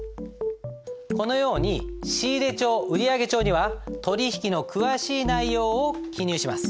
このように仕入帳売上帳には取引の詳しい内容を記入します。